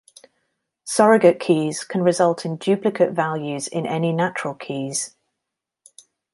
Surrogate keys can result in duplicate values in any natural keys.